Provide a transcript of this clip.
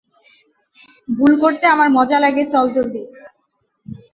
ভুল করতে আমার মজা লাগে চল জলদি!